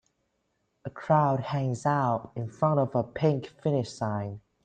A crowd hangs out in front of a pink finish sine.